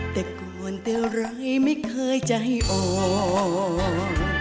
แต่ก่อนแต่ไรไม่เคยจะให้ออก